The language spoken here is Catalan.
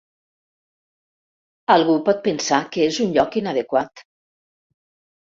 Algú pot pensar que és un lloc inadequat.